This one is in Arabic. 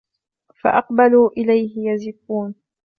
فَأَقْبَلُوا إِلَيْهِ يَزِفُّونَ